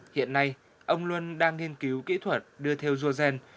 hiện nay ông luân đang nghiên cứu kỹ thuật đưa theo dua gen